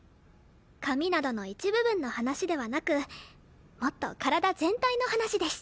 髪などの一部分の話ではなくもっと体全体の話です。